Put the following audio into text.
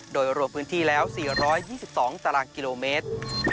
โดยรวมพื้นที่แล้ว๔๒๒ตารางกิโลเมตร